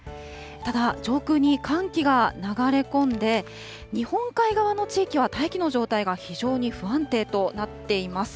ただ、上空に寒気が流れ込んで、日本海側の地域は大気の状態が非常に不安定となっています。